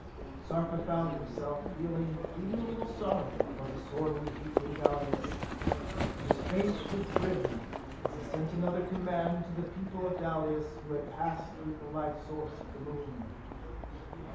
Sarka found himself feeling even a little sorry for sorely beaten Dalis; but his face was grim as he sent another command to the people of Dalis who had passed through the life source of the Moon.